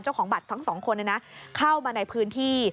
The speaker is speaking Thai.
เจ้าของบัตรทั้งสองคนเข้ามาในพื้นที่